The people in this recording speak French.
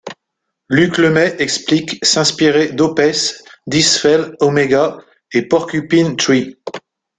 Luc Lemay explique s'inspirer d'Opeth, Deathspell Omega, et Porcupine Tree.